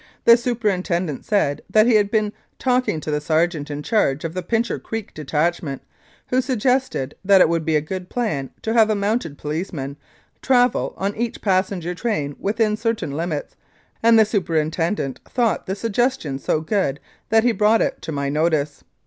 The superintendent said that he had been talking to the sergeant in charge of the Pincher Creek Detachment, who had suggested that it would be a good plan to have a Mounted Policeman travel on each passenger train within certain limits, and the superintendent thought the suggestion so good that he brought it to my notice.